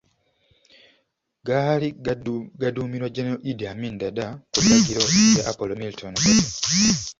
Gaali gaduumirwa Gen. Idd Amin Dada ku biragiro bya Apollo Milton Obote.